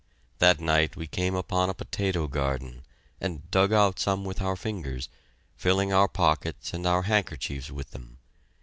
That night we came upon a potato garden, and dug out some with our fingers, filling our pockets and our handkerchiefs with them.